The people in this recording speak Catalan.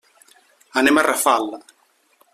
Anem a Rafal.